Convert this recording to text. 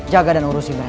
jaga dan urusin mereka